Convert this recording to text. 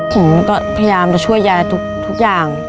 ผมก็พยายามจะช่วยยายทุกอย่าง